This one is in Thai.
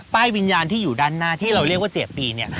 ป้ายวิญญาณที่อยู่ด้านหน้าที่เราเรียกว่าเจียปีนี่